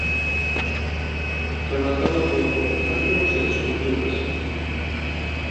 Rematado todo con pináculos e esculturas.